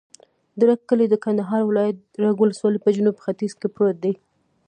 د رګ کلی د کندهار ولایت، رګ ولسوالي په جنوب ختیځ کې پروت دی.